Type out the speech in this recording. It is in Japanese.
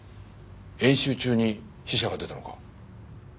演習中に死者が出たのか？